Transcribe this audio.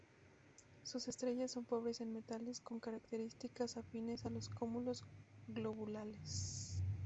Sus estrellas son pobres en metales, con características afines a los cúmulos globulares.